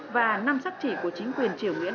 và năm sắc chỉ của chính quyền triều nguyễn